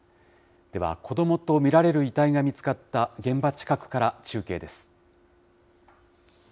では、子どもと見られる遺体が見つかった現場近くから中継です。